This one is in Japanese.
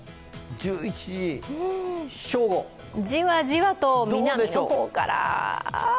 じわじわと南の方から。